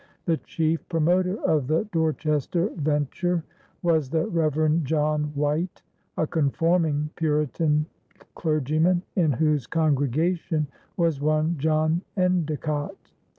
The chief promoter of the Dorchester venture was the Reverend John White, a conforming Puritan clergyman, in whose congregation was one John Endecott.